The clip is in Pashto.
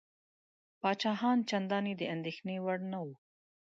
پاچاهان چنداني د اندېښنې وړ نه وه.